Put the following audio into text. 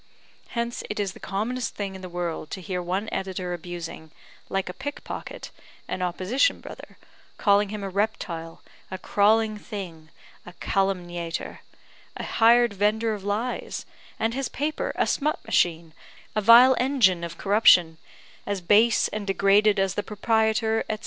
Hence it is the commonest thing in the world to hear one editor abusing, like a pickpocket, an opposition brother; calling him a reptile a crawling thing a calumniator a hired vendor of lies; and his paper a smut machine a vile engine of corruption, as base and degraded as the proprietor, &c.